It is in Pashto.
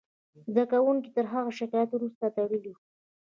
زده کوونکو تر هغه شکایت وروسته تړلې وه